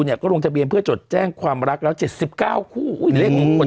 เขาก็ลงทะเบียนเพื่อจดแจ้งความรักแล้ว๗๙คู่อุ๊ยเลขอะไรบอกครับ